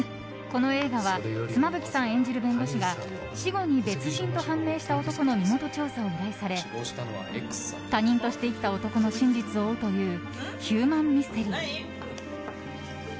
この映画は妻夫木さん演じる弁護士が死後に別人と判明した男の身元調査を依頼され他人として生きた男の真実を追うというヒューマンミステリー。